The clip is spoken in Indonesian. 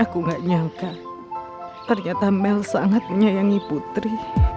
aku gak nyangka ternyata mel sangat menyayangi putri